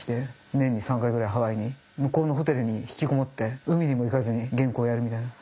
年に３回ぐらいハワイに向こうのホテルに引きこもって海にも行かずに原稿やるみたいな。